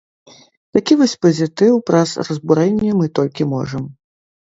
Такі вось пазітыў праз разбурэнне мы толькі можам.